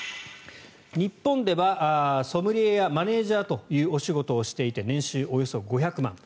日本ではソムリエやマネジャーというお仕事をしていて年収およそ５００万円。